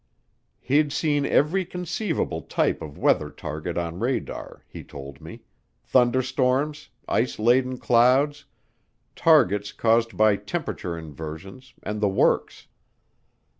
He'd seen every conceivable type of weather target on radar, he told me; thunderstorms, ice laden clouds, targets caused by temperature inversions, and the works.